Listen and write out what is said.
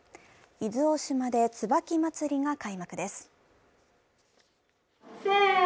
伊豆大島で椿まつりが開幕です。